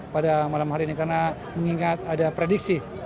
pada malam hari ini karena mengingat ada prediksi